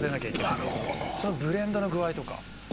そのブレンドの具合とか。